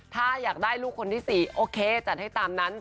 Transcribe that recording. ถ้าอยากได้ลูกคนที่๔โอเคจัดให้ตามนั้น